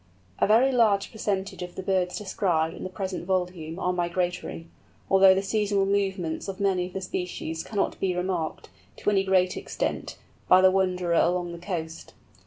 A very large percentage of the birds described in the present volume are migratory, although the seasonal movements of many of the species cannot be remarked, to any great extent, by the wanderer along the coast.